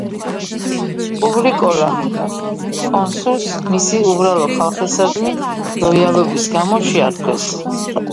პუბლიკოლა კონსულს მისი უბრალო ხალხისადმი ლოიალობის გამო შეარქვეს.